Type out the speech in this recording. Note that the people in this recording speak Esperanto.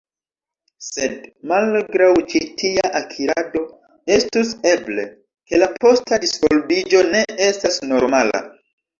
Sed, malgraŭ ĉi tia akirado, estus eble, ke la posta disvolviĝo ne estas normala.